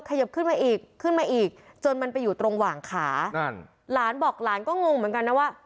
ยิบขึ้นมาอีกขึ้นมาอีกจนมันไปอยู่ตรงหว่างขานั่นหลานบอกหลานก็งงเหมือนกันนะว่า